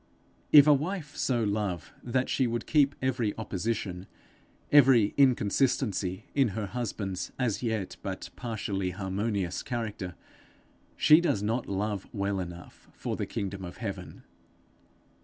If a wife so love that she would keep every opposition, every inconsistency in her husband's as yet but partially harmonious character, she does not love well enough for the kingdom of heaven.